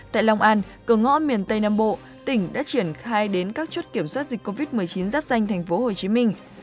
tại long an cờ ngõ miền tây nam bộ tỉnh đã triển khai đến các chốt kiểm soát dịch covid một mươi chín giáp danh thành phố hồ chí minh